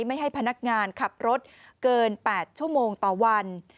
ไม่ให้พนักงานขับรถเกิน๘ชั่วโมงต่อวัน